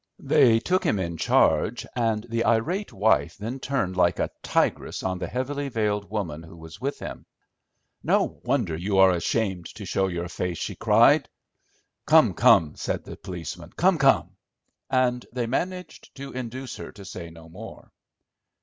They took him in charge, and the irate wife then turned like a tigress on the heavily veiled woman who was with him. "No wonder you are ashamed to show your face," she cried. "Come, come," said the policeman, "come, come." And they managed to induce her to say no more.